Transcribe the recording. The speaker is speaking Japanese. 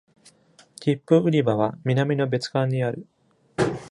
切符売り場は南の別館にある。